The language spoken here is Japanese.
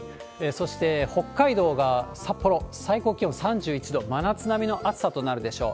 そして北海道が札幌、最高気温３１度、真夏並みの暑さとなるでしょう。